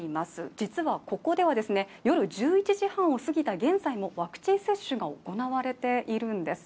実はここでは夜１１時半を過ぎた現在もワクチン接種が行われているんです。